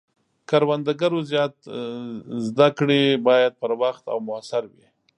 د کروندګرو زده کړې باید پر وخت او موثر وي.